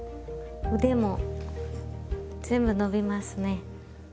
腕も全部伸びますね。